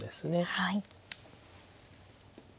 はい。